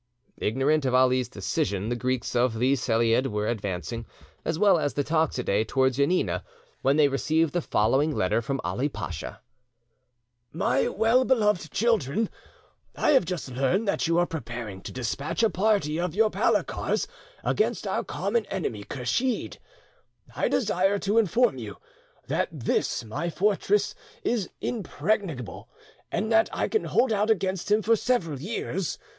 Ignorant of Ali's decision, the Greeks of the Selleid were advancing, as well as the Toxidae, towards Janina, when they received the following letter from Ali Pacha: "My well beloved children, I have just learned that you are preparing to despatch a party of your Palikars against our common enemy, Kursheed. I desire to inform you that this my fortress is impregnable, and that I can hold out against him for several years.